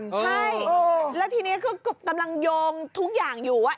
ใช่แล้วทีนี้ก็กำลังโยงทุกอย่างอยู่ว่า